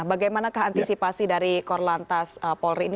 bagaimana keantisipasi dari korlantas polri ini